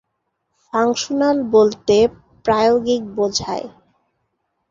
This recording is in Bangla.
ফাংশনাল বলতে প্রায়োগিক বোঝায়।